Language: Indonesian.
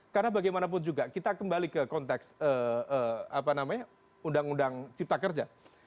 karena bagaimanapun juga kita kembali ke konteks undang undang cipta kerja